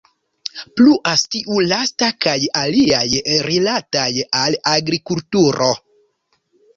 Pluas tiu lasta kaj aliaj rilataj al agrikulturo.